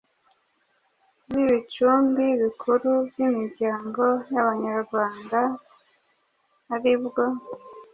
zibicumbi bikuru by’imiryango y’Abanyarwanda aribyo: